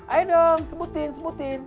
ayo dong sebutin sebutin